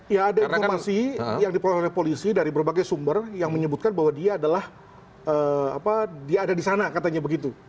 ya ada informasi yang diperoleh oleh polisi dari berbagai sumber yang menyebutkan bahwa dia adalah dia ada di sana katanya begitu